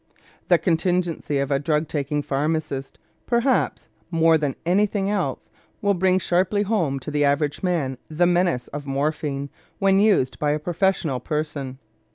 The contingency of a drug taking pharmacist, perhaps more than anything else, will bring sharply home to the average man the menace of morphine when used by a professional person.